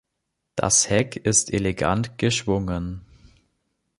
Das Heck ist elegant geschwungen.